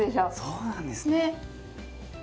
そうなんですね！